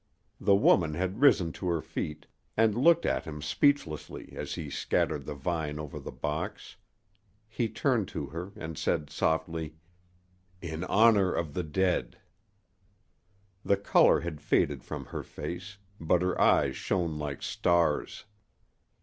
The woman had risen to her feet, and looked at him speechlessly as he scattered the vine over the box. He turned to her and said, softly: "In honor of the dead!" The color had faded from her face, but her eyes shone like stars.